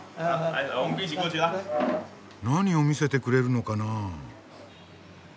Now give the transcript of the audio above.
何を見せてくれるのかなあ？